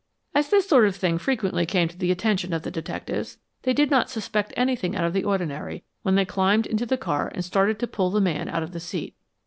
As this sort of thing frequently came to the attention of the detectives, they did not suspect anything out of the ordinary when they climbed into the car and started to pull the man out of the seat.